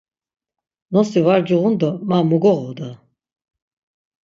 Nosi var giğun do ma mu goğoda!